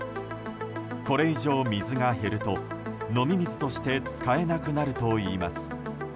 これ以上、水が減ると飲み水として使えなくなるといいます。